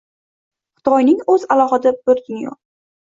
Xitoyning o‘zi alohida bir dunyo.